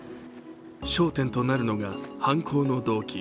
焦点となるのが犯行の動機。